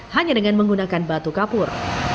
hanya dengan menggunakan batu kapur